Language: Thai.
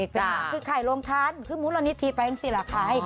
คือข่ายโรงท้านคือมูลอนิทธิฟังสิละค่ะ